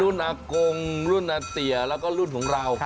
รุ่นอักกงรุ่นอัตเตี๋ยวแล้วก็รุ่นของเรา